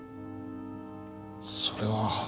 それは。